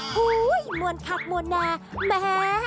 โอ้โฮมวนคัดมวนแนร์แม่